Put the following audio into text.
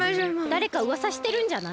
だれかうわさしてるんじゃない？